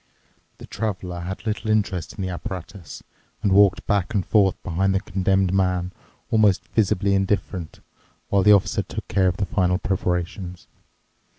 The Traveler had little interest in the apparatus and walked back and forth behind the Condemned Man, almost visibly indifferent, while the Officer took care of the final preparations.